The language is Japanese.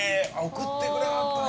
送ってくれはったんや。